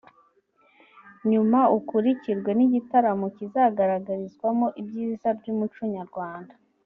nyuma ukurikirwe n’igitaramo kizagaragarizwamo ibyiza by’umuco nyarwanda